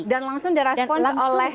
dan langsung di respon oleh akun list